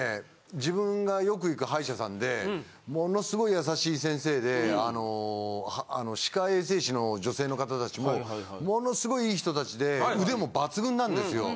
自分がよく行く歯医者さんでものすごい優しい先生で歯科衛生士の女性の方たちもものすごい良い人たちで腕も抜群なんですよ。